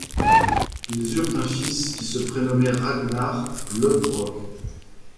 Ils eurent un fils qui se prénommait Ragnar Lodbrok.